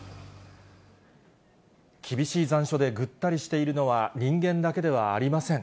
厳しい残暑でぐったりしているのは、人間だけではありません。